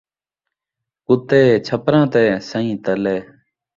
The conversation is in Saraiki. کتے چھپراں تے ، سئیں تلے